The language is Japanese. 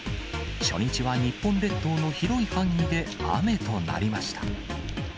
初日は日本列島の広い範囲で雨となりました。